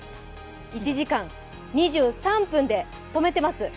１時間２３分で止めています。